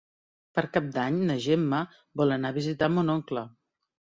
Per Cap d'Any na Gemma vol anar a visitar mon oncle.